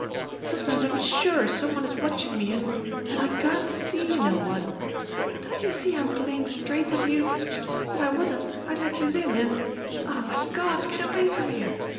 Sometimes I'm sure some one is watchin' me an' an' I can't see no one. Don't youse see I'm playin' straight wid youse. If I wasn't, I'd let youse in, an' aw, my Gawd, get away from here!